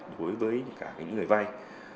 đối với cả những người vay